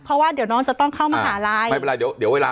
เพราะว่าเดี๋ยวน้องจะต้องเข้ามหาลัยไม่เป็นไรเดี๋ยวเดี๋ยวเวลา